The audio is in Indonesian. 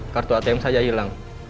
kartu atm saja hilang